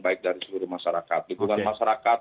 baik dari seluruh masyarakat dukungan masyarakat